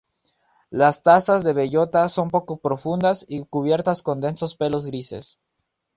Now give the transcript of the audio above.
Las tazas de bellota son poco profundas y cubiertas con densos pelos grises.